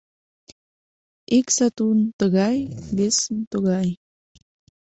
Ик сатун тыгай, весын — тугай.